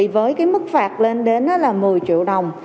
với cái mức phạt lên đến là một mươi triệu đồng